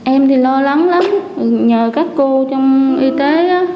em thì lo lắng lắm nhờ các cô trong y tế á